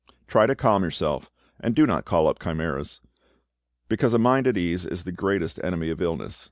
Try to calm yourself, and do not call up chimeras; because a mind at ease is the greatest enemy of illness.